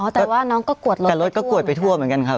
อ๋อแต่ว่าน้องก็กวดรถไปทั่ว